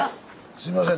すいません